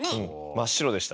真っ白でした。